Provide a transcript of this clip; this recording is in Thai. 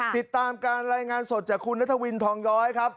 ติดตามการรายงานสดจากคุณนัทวินทองย้อยครับ